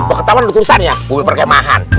mau ke taman udah tulisannya mobil berkemahan